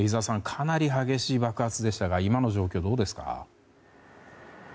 かなり激しい爆発でしたが今の状況どうですか。